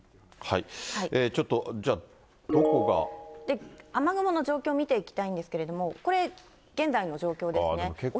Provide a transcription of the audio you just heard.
ちょっと、雨雲の状況見ていきたいんですけれども、これ、現在の状況ですね。